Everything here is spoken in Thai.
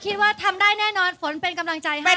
คิดว่าทำได้แน่นอนฝนเป็นกำลังใจให้